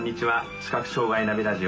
「視覚障害ナビ・ラジオ」